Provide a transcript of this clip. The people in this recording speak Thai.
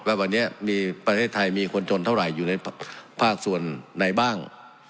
ว่าวันนี้มีประเทศไทยมีคนจนเท่าไหร่อยู่ในภาคส่วนไหนบ้าง